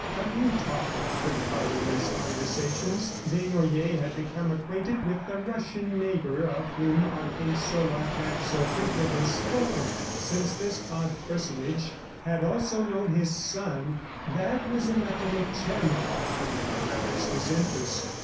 A new talker took part in these conversations. Desnoyers had become acquainted with the Russian neighbor of whom Argensola had so frequently spoken. Since this odd personage had also known his son, that was enough to make Tchernoff arouse his interest.